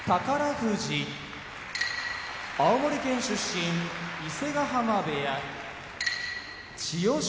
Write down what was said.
富士青森県出身伊勢ヶ濱部屋千代翔